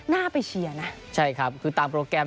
น่าไปเชียร์นะใช่ครับคือตามโปรแกรม